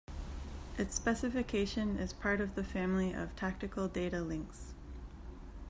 Its specification is part of the family of Tactical Data Links.